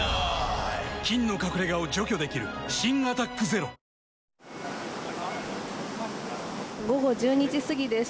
菌の隠れ家を除去できる新「アタックＺＥＲＯ」午後１２時すぎです。